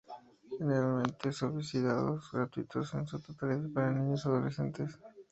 Generalmente subsidiados, gratuitos en su totalidad para niños y adolescentes.